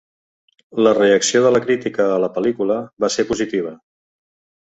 La reacció de la crítica a la pel·lícula va ser positiva.